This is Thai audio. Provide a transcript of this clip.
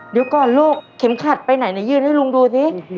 เดี๋ยวก่อนลูกเข็มขัดไปไหนไหนยื่นให้ลุงดูสิ